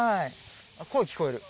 あっ声聞こえる。